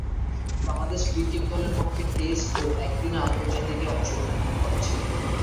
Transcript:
Bangladesh cricket দলের পক্ষে test ও একদিনের আন্তর্জাতিকে অংশগ্রহণ করেছেন।